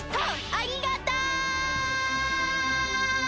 ありがとう！